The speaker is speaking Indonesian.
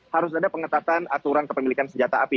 harus ada pengetatan aturan kepemilikan senjata api